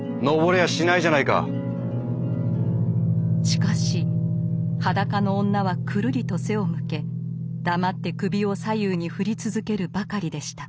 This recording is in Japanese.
しかし裸の女はくるりと背を向け黙って首を左右に振り続けるばかりでした。